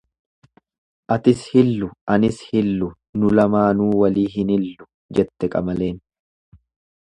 Ati hillu anis hillu nu lamaanuu walii hin hillu jette qamaleen.